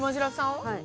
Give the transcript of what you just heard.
はい。